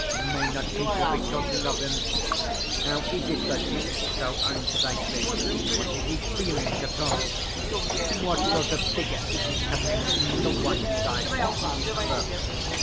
May not people be talking of him? How is it that he is so unsightly? What is he feeling at all? What sort of figure is he cutting on the one side or on the other?